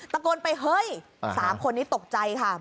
ตะโกนไปเฮ้ยสามคนนี้ตกใจครับ